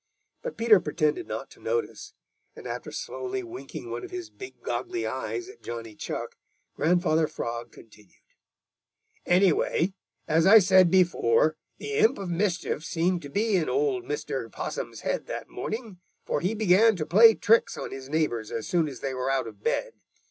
But Peter pretended not to notice, and after slowly winking one of his big, goggly eyes at Johnny Chuck, Grandfather Frog continued: "Anyway, as I said before, the imp of mischief seemed to be in old Mr. Possum's head that morning, for he began to play tricks on his neighbors as soon as they were out of bed.